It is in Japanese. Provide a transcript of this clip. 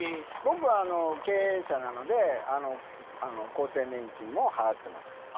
僕は経営者なので厚生年金も払ってます。